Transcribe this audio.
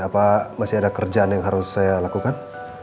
apa masih ada kerjaan yang harus saya lakukan